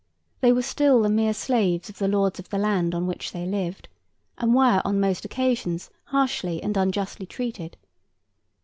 They were still the mere slaves of the lords of the land on which they lived, and were on most occasions harshly and unjustly treated.